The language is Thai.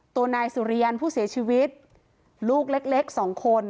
ตัวนายสุเรียนผู้เสียชีวิตลูกเล็กเล็กสองคน